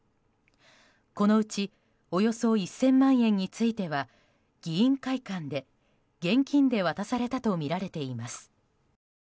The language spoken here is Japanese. このうちおよそ１０００万円については議員会館で現金で渡されたとみられています。